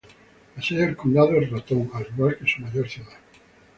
La sede del condado es Ratón, al igual que su mayor ciudad.